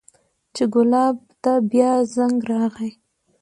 چې ګلاب ته بيا زنګ راغى.